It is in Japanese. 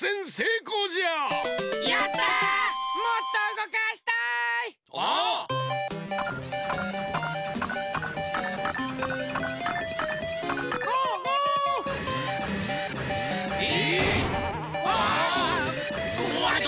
こわれた！